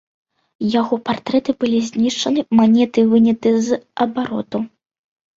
Яго партрэты былі знішчаны, манеты выняты з абароту.